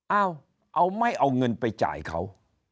เอาเอาไม่เอาเงินไปจ่ายเขา